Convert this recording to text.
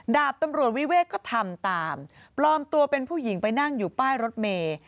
ดาบตำรวจวิเวกก็ทำตามปลอมตัวเป็นผู้หญิงไปนั่งอยู่ป้ายรถเมย์